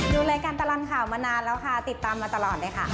ดูรายการตลอดข่าวมานานแล้วค่ะติดตามมาตลอดเลยค่ะ